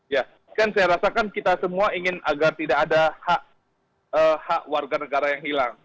ya kan saya rasakan kita semua ingin agar tidak ada hak warga negara yang hilang